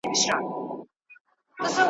د لېوه بچی د پلار په څېر لېوه وي !.